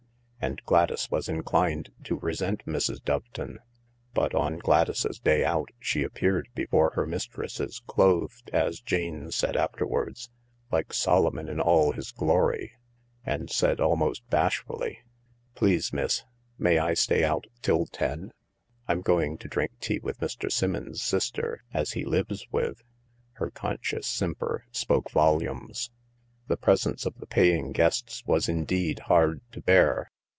And Gladys was inclined to resent Mrs. Doveton. But on Gladys's day out she appeared before her mistresses, 200 THE LARK clothed, as Jane said afterwards, like Solomon in all his glory, and said almost bashfully: "Please, miss, may I stay out till ten ? I'm going to drink tea with Mr. Smmons's sister as he lives with." Her conscious simper spoke volumes. The presence of the paying guests was indeed hard to bear.